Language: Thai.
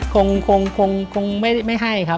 คงไม่ให้ครับ